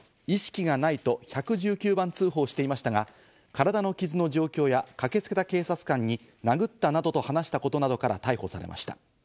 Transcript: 意識がないと１１９番通報していましたが、体の傷の状況や駆けつけた警察官に殴ったなどと話したことなどから逮捕されました。